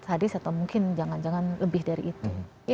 sadis atau mungkin jangan jangan lebih dari itu